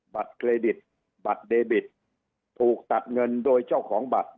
บัตรเครดิตบัตรเดบิตถูกตัดเงินโดยเจ้าของบัตร